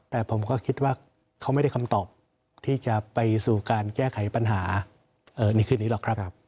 แต่ผมก็คิดว่าเขาไม่ได้คำตอบที่จะไปสู่การแก้ไขปัญหาในคืนนี้หรอกครับ